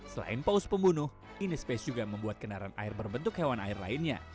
selain paus pembunuh inni space juga membuat kendaraan air berbentuk hewan air lainnya